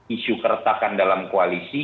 isu keretakan dalam koalisi